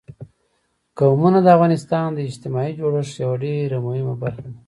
قومونه د افغانستان د اجتماعي جوړښت یوه ډېره مهمه برخه ده.